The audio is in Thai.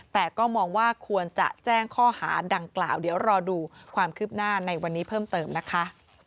แต่ก็มองว่าควรจะแจ้งข้อหาดังกล่าวเดี๋ยวรอดูความคืบหน้าในวันนี้เพิ่มเติมนะคะ